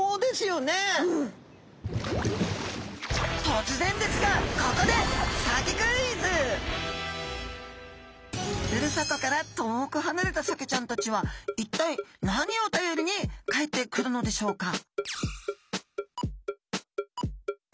突然ですがここでふるさとから遠くはなれたサケちゃんたちは一体何を頼りに帰ってくるのでしょうか？